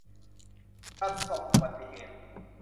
ประสบอุบัติเหตุ